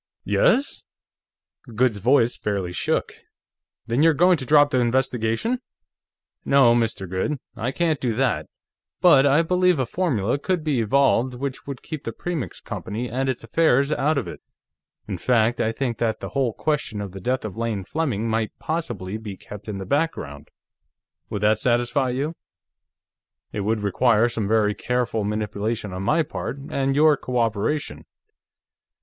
"Yes?" Goode's voice fairly shook. "Then you're going to drop the investigation?" "No, Mr. Goode; I can't do that. But I believe a formula could be evolved which would keep the Premix Company and its affairs out of it. In fact, I think that the whole question of the death of Lane Fleming might possibly be kept in the background. Would that satisfy you? It would require some very careful manipulation on my part, and your cooperation."